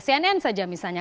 cnn saja misalnya